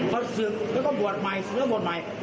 เขาศึกแล้วก็บวชใหม่ศึกแล้วบวชใหม่